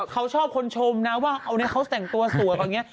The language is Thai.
เขาชอบคนชมนะว่าเอาไงเขาแต่งตัวสวย